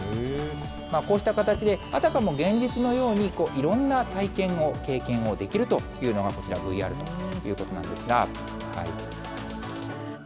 こうした形で、あたかも現実のように、いろんな体験を経験をできるというのが、こちら、ＶＲということなんですが。